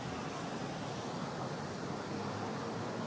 จานมาย